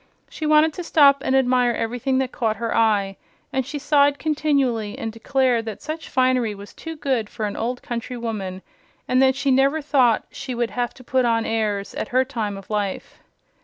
She wanted to stop and admire everything that caught her eye, and she sighed continually and declared that such finery was too good for an old country woman, and that she never thought she would have to "put on airs" at her time of life.